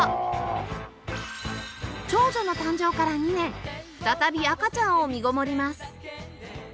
長女の誕生から２年再び赤ちゃんを身ごもります